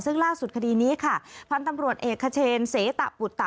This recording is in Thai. ซึ่งล่าสุดคดีนี้ค่ะพันธุ์ตำรวจเอกขเชนเสตะปุตตะ